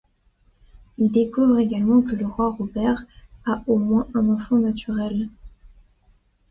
Il découvre également que le roi Robert a au moins un enfant naturel.